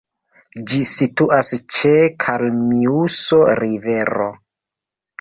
Ĝi situas ĉe Kalmiuso-rivero.